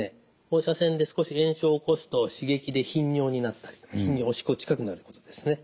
放射線で少し炎症を起こすと刺激で頻尿になったりとかおしっこ近くなるということですね。